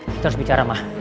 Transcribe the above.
kita harus bicara ma